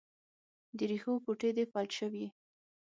د رېښو ګوتې دې فلج شوي